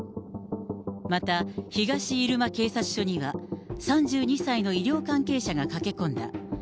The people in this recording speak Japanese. また、東入間警察署には、３２歳の医療関係者が駆け込んだ。